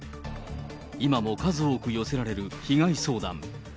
今も数多く寄せられる被害相談。